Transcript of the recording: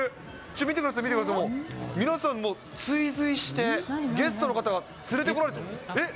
ちょっと見てください、見てください、皆さん、もう追随して、ゲストの方が連れてこられて、えっ？